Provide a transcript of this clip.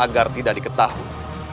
agar tidak diketahui